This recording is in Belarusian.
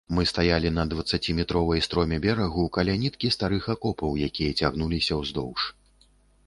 Мы стаялі на дваццаціметровай строме берагу, каля ніткі старых акопаў, якія цягнуліся ўздоўж.